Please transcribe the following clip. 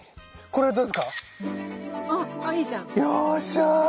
よっしゃ！